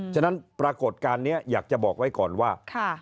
ฉะนั้นปรากฏการณ์นี้อยากจะบอกไว้ก่อนว่า